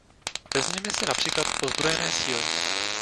Vezměme si například ozbrojené síly.